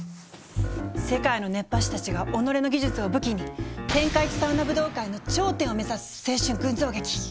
世界の熱波師たちが己の技術を武器に「天下一サウナ武道会」の頂点を目指す青春群像劇！